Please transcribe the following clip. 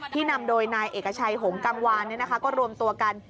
นำโดยนายเอกชัยหงกังวานก็รวมตัวกัน